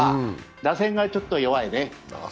打線がちょっと弱いね。